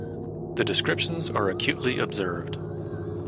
The descriptions are acutely observed.